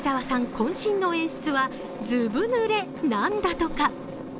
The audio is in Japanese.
こん身の演出は、ずぶぬれなんだとか。